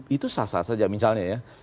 itu sah sah saja misalnya ya